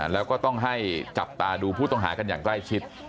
แล้วก็ต้องให้จับตาดูผู้ต้องหากันอย่างใกล้ชิด